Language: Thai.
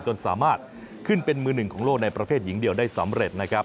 จนสามารถขึ้นเป็นมือหนึ่งของโลกในประเภทหญิงเดี่ยวได้สำเร็จนะครับ